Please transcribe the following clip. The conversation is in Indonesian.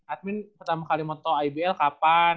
admin pertama kali moto ibl kapan